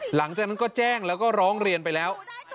หลังจากนั้นก็แจ้งแล้วก็ร้องเรียนไปแล้ว